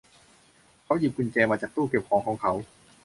เขาหยิบกุญแจมาจากตู้เก็บของของเขา